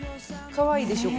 かわいいでしょ？